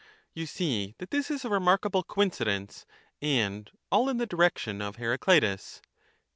You see that this is a remarkable coincidence, and all in the direction of Heracleitus.